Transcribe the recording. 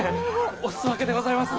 お裾分けでございます。